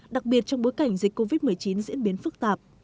đặc biệt trong bối cảnh dịch covid một mươi chín diễn biến phức tạp